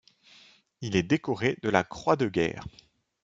Il est décoré de la croix de guerre.